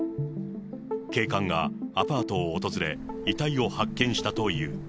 警官がアパートを訪れ、遺体を発見したという。